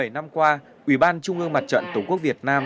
một mươi bảy năm qua ủy ban trung ương mặt trận tổ quốc việt nam